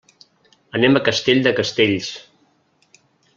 Anem a Castell de Castells.